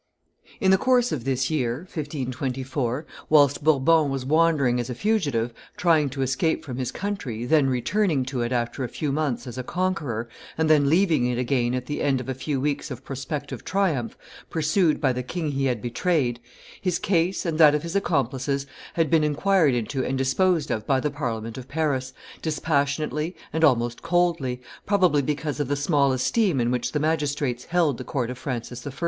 In the course of this year, 1524, whilst Bourbon was wandering as a fugitive, trying to escape from his country, then returning to it, after a few months, as a conqueror, and then leaving it again at the end of a few weeks of prospective triumph, pursued by the king he had betrayed, his case and that of his accomplices had been inquired into and disposed of by the Parliament of Paris, dispassionately and almost coldly, probably because of the small esteem in which the magistrates held the court of Francis I.